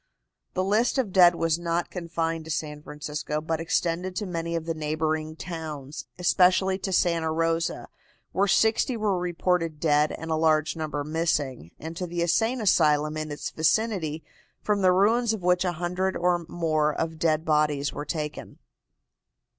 The list of dead was not confined to San Francisco, but extended to many of the neighboring towns, especially to Santa Rosa, where sixty were reported dead and a large number missing, and to the insane asylum in its vicinity, from the ruins of which a hundred or more of dead bodies were taken.